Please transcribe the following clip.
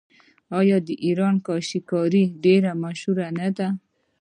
آیا د ایران کاشي کاري ډیره مشهوره نه ده؟